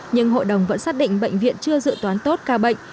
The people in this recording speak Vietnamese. nhưng hội đồng vẫn xác định bệnh viện chưa dự toán tốt ca bệnh